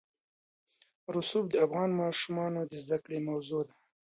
رسوب د افغان ماشومانو د زده کړې موضوع ده.